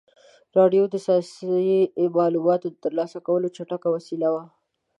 راډیو د سیاسي معلوماتو د ترلاسه کولو چټکه وسیله وه.